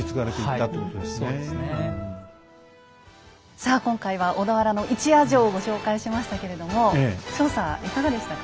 さあ今回は小田原の一夜城をご紹介しましたけれども調査いかがでしたか？